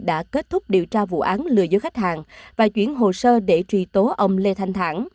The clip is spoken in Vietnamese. đã kết thúc điều tra vụ án lừa dối khách hàng và chuyển hồ sơ để truy tố ông lê thanh thản